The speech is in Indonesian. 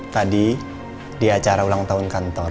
tadi di acara ulang tahun kantor